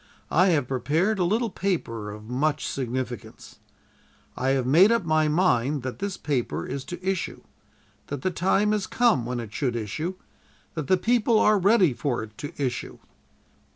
I have prepared a little paper of much significance. I have made up my mind that this paper is to issue; that the time is come when it should issue; that the people are ready for it to issue.